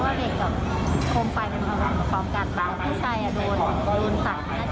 พี่ใจโดนสัดน่าจะสัดมาก